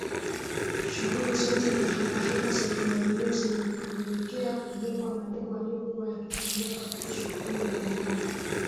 Shughuli zote na hekaheka za kimaendeleo zilipelekea kujengwa majengo yaliyokuwa yakitumiwa katika shughuli mbalimbali